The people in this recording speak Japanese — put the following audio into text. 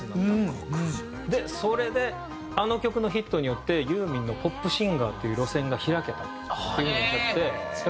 それであの曲のヒットによってユーミンのポップシンガーという路線が開けたっていう風におっしゃって。